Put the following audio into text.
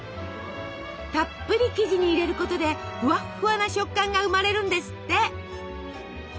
たっぷり生地に入れることでフワッフワな食感が生まれるんですって。